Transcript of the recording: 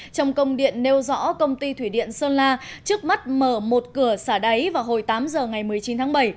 trong công điện nêu rõ công ty thủy điện sơn la trước mắt mở một cửa xả đáy vào hồi tám giờ ngày một mươi chín tháng bảy